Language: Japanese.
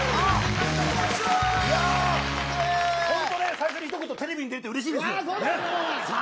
最初に一言テレビに出れてうれしいです。